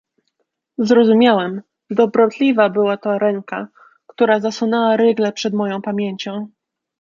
"Zrozumiałem: dobrotliwa była to ręka, która zasunęła rygle przed moją pamięcią."